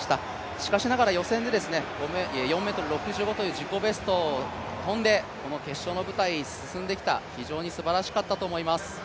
しかしながら予選で４ｍ６５という自己ベストを跳んでこの決勝の舞台に進んできた、非常にすばらしかったと思います。